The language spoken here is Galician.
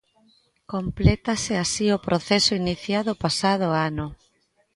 Complétase así o proceso iniciado o pasado ano.